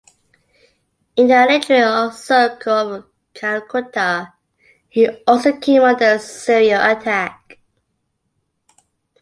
In the literary circle of Calcutta, he also came under serial attack.